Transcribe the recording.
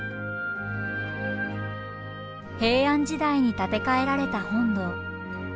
平安時代に建て替えられた本堂。